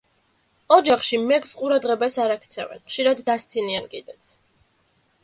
ოჯახში მეგს ყურადღებას არ აქცევენ, ხშირად დასცინიან კიდეც.